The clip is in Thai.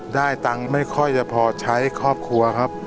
ได้ตังค์ไม่ค่อยจะพอใช้ครอบครัวครับ